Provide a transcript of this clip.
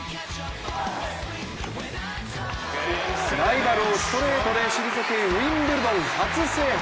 ライバルをストレートで退けウィンブルドン初制覇。